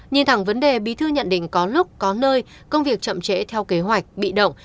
nhìn thẳng vấn đề bí thư nhận định có lúc có nơi công việc chậm trễ theo kế hoạch bị động